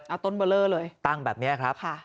อ่ะต้นเบลอเลยตั้งแบบเนี้ยครับค่ะ